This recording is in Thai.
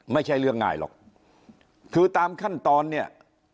ไม่ใช่เรื่องง่ายหรอกคือตามขั้นตอนเนี่ย